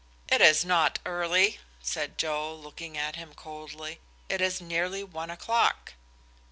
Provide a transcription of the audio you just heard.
"It is not early," said Joe, looking at him coldly, "it is nearly one o'clock."